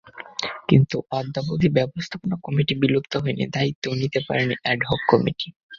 কিন্তু অদ্যাবধি ব্যবস্থাপনা কমিটি বিলুপ্ত হয়নি, দায়িত্বও নিতে পারেনি অ্যাডহক কমিটি।